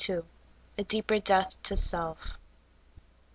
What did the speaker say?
A DEEPER DEATH TO SEIvF.